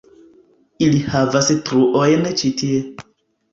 Ili havas truojn ĉi tie